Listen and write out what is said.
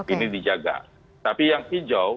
ini dijaga tapi yang hijau